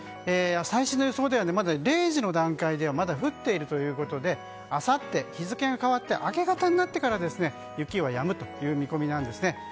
最新の予想では０時の段階ではまだ降っているということであさって、日付が変わって明け方になってから雪はやむという見込みなんですね。